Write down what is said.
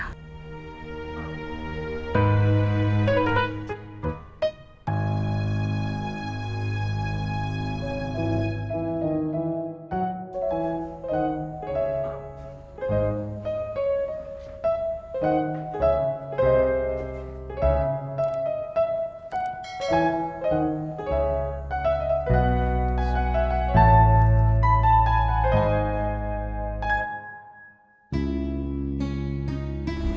tidak ada kegaduhan